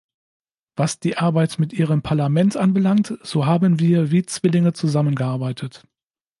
Was die Arbeit mit Ihrem Parlament anbelangt, so haben wir wie Zwillinge zusammengearbeitet.